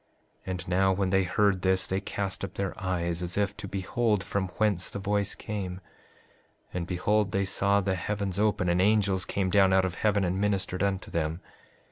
5:48 And now, when they heard this they cast up their eyes as if to behold from whence the voice came; and behold, they saw the heavens open; and angels came down out of heaven and ministered unto them.